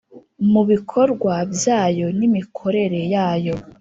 mu bikorwa byayo n mikorere yayo